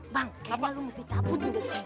bang kayaknya lu mesti cabut dari sini